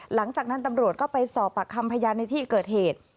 หลังจากนั้นตำรวจก็ไปสอบปากคำพยานในที่เกิดเหตุ